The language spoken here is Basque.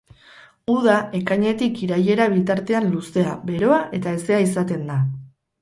Uda, ekainetik irailera bitartean luzea, beroa eta hezea izaten da.